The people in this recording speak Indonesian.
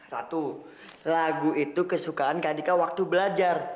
ratu lagu itu kesukaan kak dika waktu belajar